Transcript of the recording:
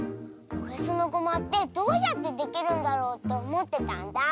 おへそのごまってどうやってできるんだろうっておもってたんだ。